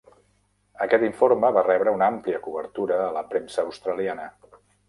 Aquest informe va rebre una àmplia cobertura a la premsa australiana.